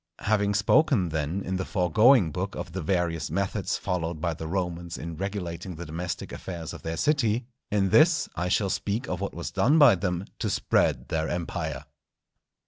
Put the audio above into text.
Having spoken, then, in the foregoing Book of the various methods followed by the Romans in regulating the domestic affairs of their city, in this I shall speak of what was done by them to spread their Empire.